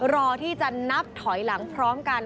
รอที่จะนับถอยหลังพร้อมกัน